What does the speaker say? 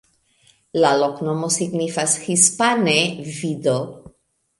La loknomo signifas hispane: vido.